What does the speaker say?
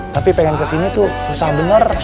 tapi pengen kesini tuh susah bener